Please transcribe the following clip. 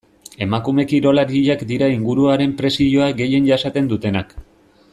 Emakume kirolariak dira inguruaren presioa gehien jasaten dutenak.